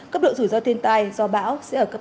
cấp độ rủi ro thiên tai do bão sẽ ở cấp ba